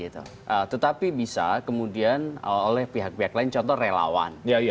tetapi bisa kemudian oleh pihak pihak lain contoh relawan